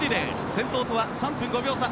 先頭とは３分５秒差